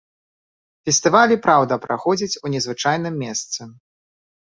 Фестываль і праўда праходзіць у незвычайным месцы.